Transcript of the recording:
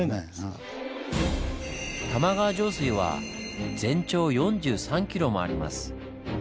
玉川上水は全長４３キロもあります。